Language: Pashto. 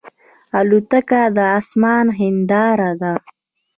الوتکه د آسمان هنداره ده.